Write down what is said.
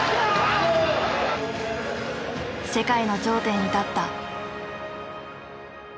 世界の頂点に立った。